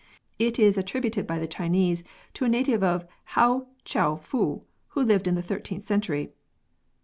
It is attributed by the Chinese to a native of Hou Tcheou Fou who lived in the 13th century.